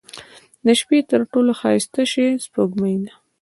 • د شپې تر ټولو ښایسته شی سپوږمۍ ده.